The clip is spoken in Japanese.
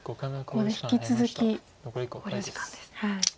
ここで引き続き考慮時間です。